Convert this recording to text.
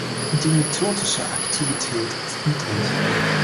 Die mitotische Aktivität ist niedrig.